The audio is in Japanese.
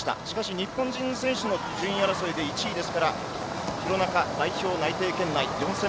日本人選手の順位争いで１位ですから、廣中は代表内定圏内です。